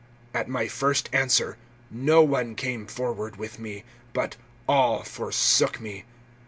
(16)At my first answer no one came forward with me, but all forsook me.